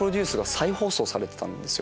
再放送されてたんですよ。